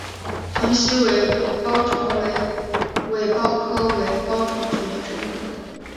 塘栖尾孢虫为尾孢科尾孢虫属的动物。